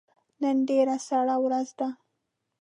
نن ډیره سړه ورځ ده